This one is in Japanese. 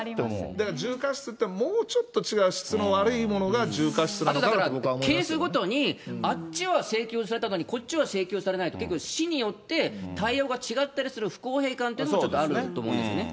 だから重過失っていうのはもうちょっと違う質の悪いものが、だからケースごとに、あっちは請求されたのにこっちは請求されないっていうのが結構、市によって対応が違ったりする不公平感というのもちょっとあるんだと思いますよね。